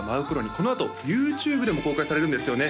このあとＹｏｕＴｕｂｅでも公開されるんですよね？